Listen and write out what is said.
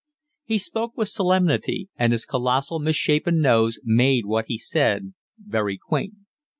He spoke with solemnity, and his colossal, misshapen nose made what he said very quaint.